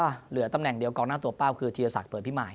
ก็เหลือตำแหน่งเดียวกองหน้าตัวเป้าคือธีรศักดิ์เปิดพิมาย